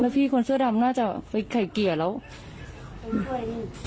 แล้วพี่คนเสื้อดำน่าจะไปไกลเกลียดแล้ว